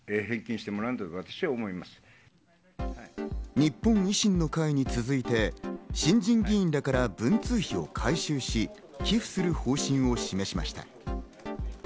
日本維新の会に続いて新人議員から文通費を回収し、寄付する方針を示しました。